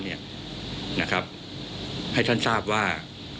นะครับให้ท่านทราบว่า